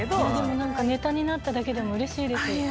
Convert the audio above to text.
でもネタになっただけでもうれしいです。